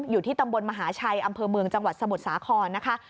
อยู่ที่ตำบลมหาชัยอำเภอเมืองจังหวัดสมุทรสาครนะคะ